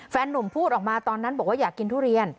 นุ่มพูดออกมาตอนนั้นบอกว่าอยากกินทุเรียน